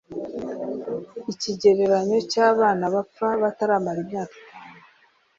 ikigereranyo cy'abana bapfa bataramara imyaka itanu